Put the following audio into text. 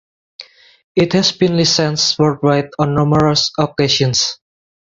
It has been licensed worldwide on numerous occasions.